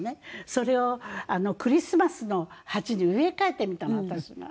それをクリスマスの鉢に植え替えてみたの私が。